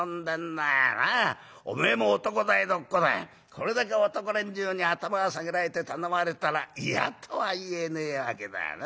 これだけ男連中に頭下げられて頼まれたら嫌とは言えねえわけだよなあ。